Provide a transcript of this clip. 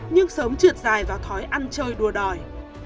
nhưng sớm trượt dài và thói ăn chơi đùa đòi